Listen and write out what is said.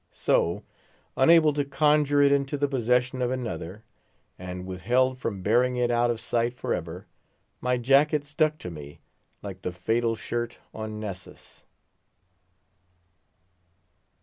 So, unable to conjure it into the possession of another, and withheld from burying it out of sight for ever, my jacket stuck to me like the fatal shirt on Nessus.